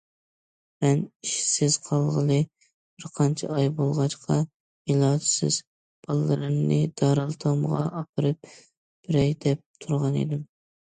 مەن ئىشسىز قالغىلى بىر قانچە ئاي بولغاچقا، ئىلاجىسىز بالىلىرىمنى دارىلئېتامغا ئاپىرىپ بېرەي دەپ تۇرغانىدىم.